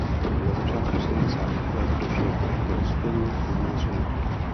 Na začátku sedmdesátých let došlo k rozkolu uvnitř hnutí.